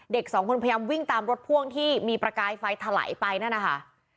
เด็กสองคนพยายามวิ่งตามรถพ่วงที่มีประกายไฟถลายไปนั่นนะคะ